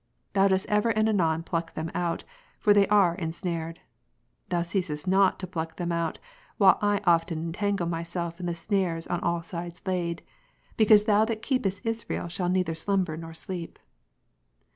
Thou dost ever and anon pluck them out, for they are ensnared. Thou ceasest not to pluck them out, while I often entangle Ps. 121, myself in the snares on all sides laid; because Thou that keepest Israel shall neither slumber nor sleep.